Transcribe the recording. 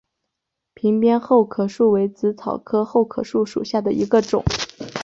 屏边厚壳树为紫草科厚壳树属下的一个种。